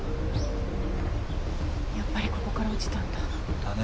やっぱりここから落ちたんだ。だね。